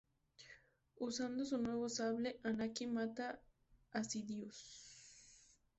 Usando su nuevo sable, Anakin mata a Sidious.